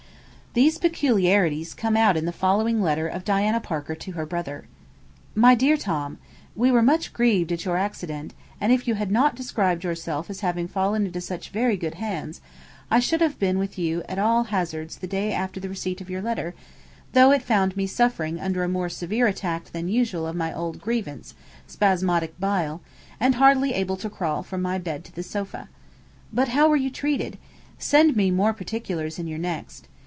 These peculiarities come out in the following letter of Diana Parker to her brother: 'MY DEAR TOM, We were much grieved at your accident, and if you had not described yourself as having fallen into such very good hands, I should have been with you at all hazards the day after receipt of your letter, though it found me suffering under a more severe attack than usual of my old grievance, spasmodic bile, and hardly able to crawl from my bed to the sofa. But how were you treated? Send me more particulars in your next.